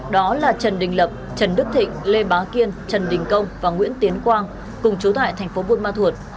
đó là trần đình lập trần đức thịnh lê bá kiên trần đình công và nguyễn tiến quang cùng chú tại tp bun ma thuột